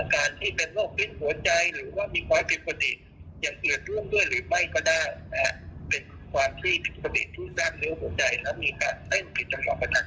สาเหตุที่เพิ่มหน่อยเนี่ยเกิดจาก